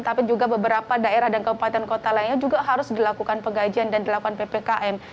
tapi juga beberapa daerah dan kabupaten kota lainnya juga harus dilakukan pegajian dan dilakukan ppkm